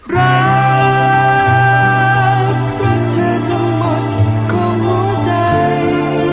รักรักเธอทั้งหมดของหัวใจ